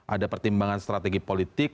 ada pertimbangan strategi politik